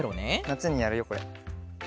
なつにやるよこれ。